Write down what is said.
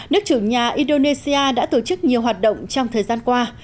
nước chủ nhà indonesia đã tổ chức nhiều hoạt động trong thời gian qua